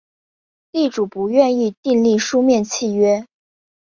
地主不愿意订立书面契约